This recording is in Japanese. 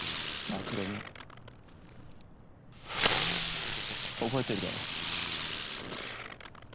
あ黒目覚えてるだろ？